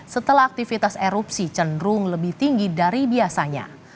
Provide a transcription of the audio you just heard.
setelah aktivitas erupsi cenderung lebih tinggi dari biasanya